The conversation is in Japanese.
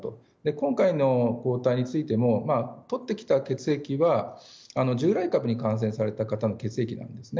今回の抗体についてもとってきた血液は従来株に感染された方の血液なんですね。